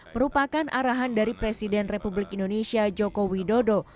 merupakan arahan dari presiden republik indonesia joko widodo